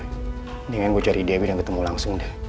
mendingan gue cari debi dan ketemu langsung deh